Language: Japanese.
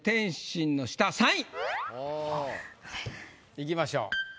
いきましょう。